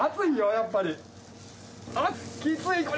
やっぱり。